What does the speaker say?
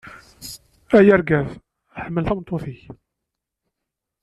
Ay argaz, ḥemmel tameṭṭut-ik.